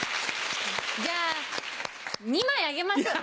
じゃあ２枚あげます。